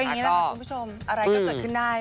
อย่างนี้แหละค่ะคุณผู้ชมอะไรก็เกิดขึ้นได้